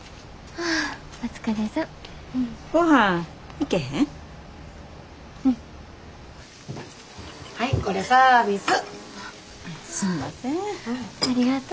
ありがとう。